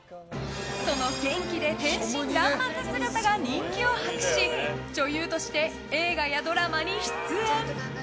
その元気で天真らんまんな姿が人気を博し女優として映画やドラマに出演。